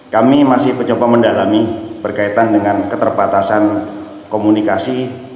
kami masih mencoba mendalami berkaitan dengan keterbatasan komunikasi